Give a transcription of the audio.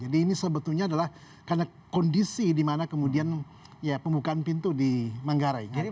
jadi ini sebetulnya adalah karena kondisi di mana kemudian ya pembukaan pintu di manggarai